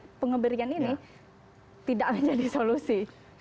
apalagi pengembangan ini tidak menjadi solusi